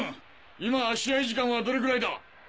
今試合時間はどれぐらいだ？